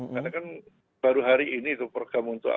karena kan baru hari ini tuh program untuk apa